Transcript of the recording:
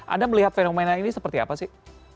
anda melihat fenomena ini seperti apa sih